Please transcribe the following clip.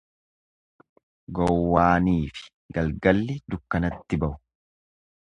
Gowwaanifi galgalli dukkanatti bahu.